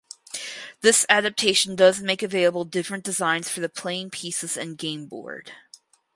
This adaptation does make available different designs for the playing pieces and game board.